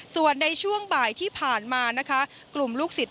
ส่วนในช่วงบ่ายที่ผ่านมานะคะกลุ่มลูกศิษย